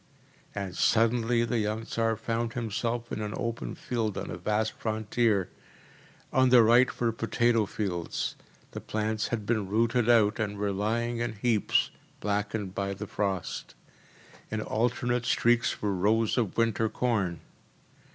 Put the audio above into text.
‚ÄĚ and suddenly the young Tsar found himself in an open field on a vast frontier. On the right were potato fields; the plants had been rooted out, and were lying in heaps, blackened by the frost; in alternate streaks were rows of winter corn.